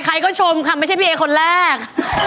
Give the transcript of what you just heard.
ใครก็ชมค่ะไม่ใช่พี่เอคนแรก